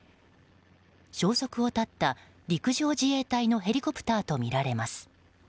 消息を絶った陸上自衛隊のヘリコプターとみられます。